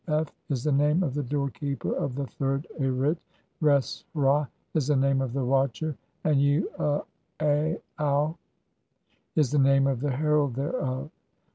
Am huat ent peh fi is the name of "the doorkeeper of the third Arit, Res hra is the name of the "watcher and Uaau is the name of the herald thereof."